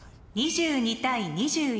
２２対２１。